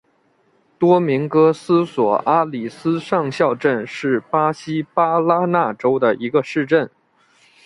多明戈斯索阿里斯上校镇是巴西巴拉那州的一个市镇。